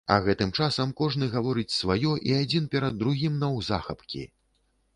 А гэтым часам кожны гаворыць сваё і адзін перад другім наўзахапкі.